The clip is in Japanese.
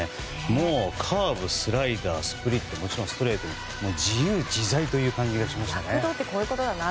もうカーブ、スライダースプリット、ストレートと自由自在という感じがしましたね。